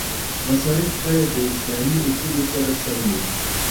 مصارف بايد د اسلامي اصولو سره سم وي.